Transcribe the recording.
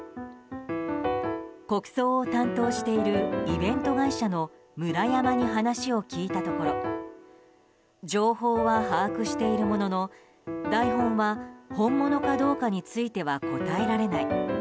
国葬を担当しているイベント会社のムラヤマに話を聞いたところ情報は把握しているものの台本は本物かどうかについては答えられない。